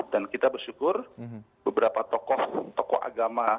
dan kita bersyukur beberapa tokoh tokoh agama